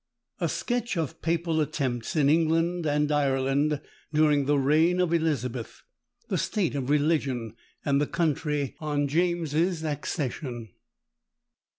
A SKETCH OF PAPAL ATTEMPTS IN ENGLAND AND IRELAND DURING THE REIGN OF ELIZABETH. THE STATE OF RELIGION AND THE COUNTRY ON JAMES'S ACCESSION.